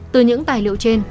từ những tài liệu trên